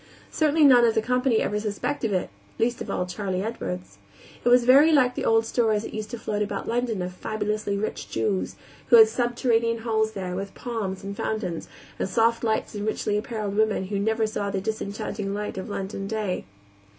Certainly none of the company ever suspected it, least of all Charley Edwards. It was very like the old stories that used to float about London of fabulously rich Jews, who had subterranean halls there, with palms, and fountains, and soft lamps and richly appareled women who never saw the disenchanting light of London day.